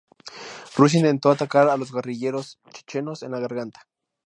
Rusia intentó atacar a los guerrilleros chechenos en la garganta.